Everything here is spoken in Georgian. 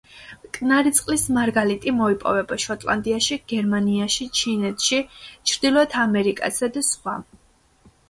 მტკნარი წყლის მარგალიტი მოიპოვება შოტლანდიაში, გერმანიაში, ჩინეთში, ჩრდილოეთ ამერიკასა და სხვა.